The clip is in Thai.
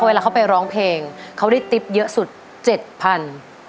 เวลาเขาไปร้องเพลงเขาได้ติ๊บเยอะสุดเจ็ดพัน